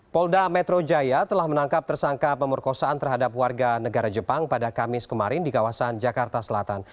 polda metro jaya telah menangkap tersangka pemerkosaan terhadap warga negara jepang pada kamis kemarin di kawasan jakarta selatan